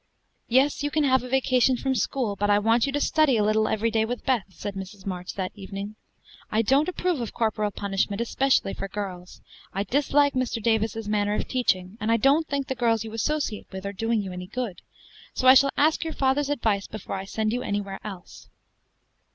"Yes, you can have a vacation from school, but I want you to study a little every day with Beth," said Mrs. March that evening. "I don't approve of corporal punishment, especially for girls. I dislike Mr. Davis's manner of teaching, and don't think the girls you associate with are doing you any good, so I shall ask your father's advice before I send you anywhere else."